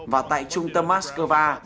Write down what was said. và tại trung tâm moscow